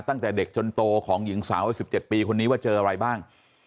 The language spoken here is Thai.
ตั้งแต่เด็กจนโตของหญิงสาววัย๑๗ปีคนนี้ว่าเจออะไรบ้าง